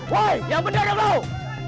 woy yang beneran bu